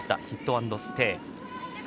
ヒットアンドステイ。